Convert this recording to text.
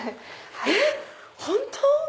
えっ本当⁉